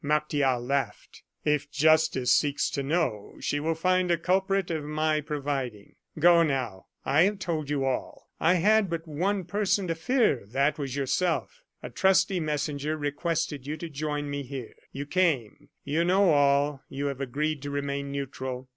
Martial laughed. "If justice seeks to know, she will find a culprit of my providing. Go now; I have told you all. I had but one person to fear: that was yourself. A trusty messenger requested you to join me here. You came; you know all, you have agreed to remain neutral.